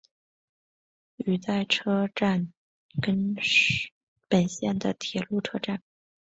羽带车站根室本线的铁路车站。